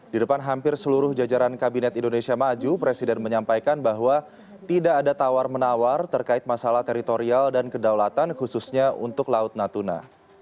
di depan hampir seluruh jajaran kabinet indonesia maju presiden menyampaikan bahwa tidak ada tawar menawar terkait masalah teritorial dan kedaulatan khususnya untuk laut natuna